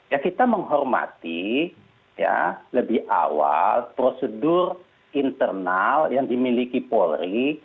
ya kita menghormati ya lebih awal prosedur internal yang dimiliki polri